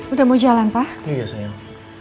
udah mau jalan pa iya sayang